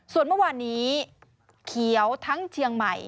ส่วนเมื่อวานนี้เขียวทั้งเชียงใหม่